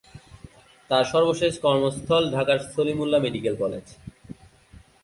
তার সর্বশেষ কর্মস্থল ঢাকার স্যার সলিমুল্লাহ মেডিকেল কলেজ।